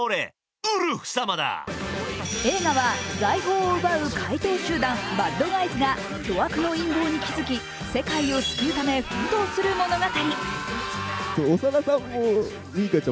映画は財宝を奪う怪盗集団バッドガイズが巨悪の陰謀に気づき世界を救うため、奮闘する物語。